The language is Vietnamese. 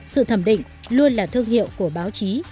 sự thẩm định luôn là thương hiệu của báo chí